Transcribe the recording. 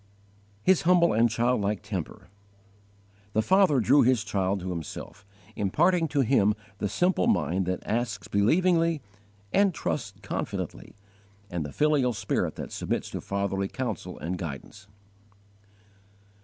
5. His humble and childlike temper. The Father drew His child to Himself, imparting to him the simple mind that asks believingly and trusts confidently, and the filial spirit that submits to fatherly counsel and guidance.